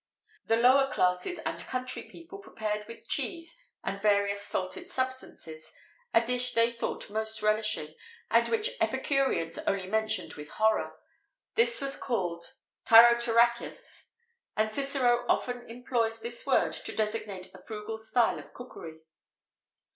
[XVIII 52] The lower classes and country people prepared with cheese and various salted substances a dish they thought most relishing, and which epicureans only mentioned with horror. This was called tyrotarichus, and Cicero often employs this word to designate a frugal style of cookery.